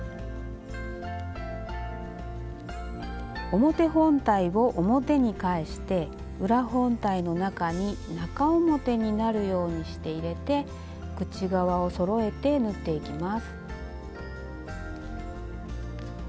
表本体を表に返して裏本体の中に中表になるようにして入れて口側をそろえて縫っていきます。